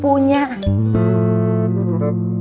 kita tuh kan yang lebih punya